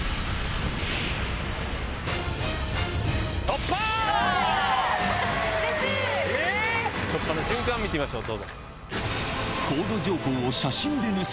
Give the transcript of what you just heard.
突破の瞬間見てみましょう。